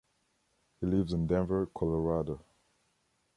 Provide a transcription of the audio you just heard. He lives in Denver, Colorado.